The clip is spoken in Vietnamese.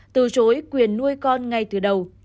từ chối quyền nuôi con ngay từ đầu